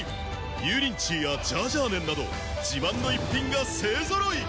油淋鶏やジャージャー麺など自慢の逸品が勢揃い！